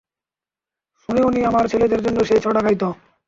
সুনয়নী আমার ছেলেদের জন্য সেই ছড়া গাইতো।